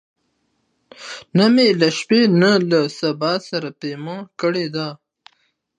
نه می له شپې نه له سبا سره پیمان کړی دی